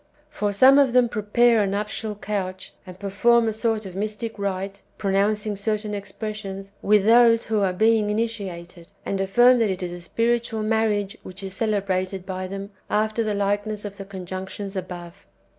For some of them prepare a nuptial couch, and perform a sort of mystic rite (pronouncing certain expressions) with those who are being initiated, and affirm that it is a spiritual marriage which is celebrated by them, after the likeness of the conjunctions above.